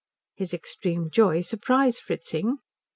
His extreme joy surprised Fritzing.